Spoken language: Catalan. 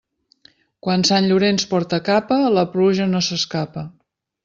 Quan Sant Llorenç porta capa, la pluja no s'escapa.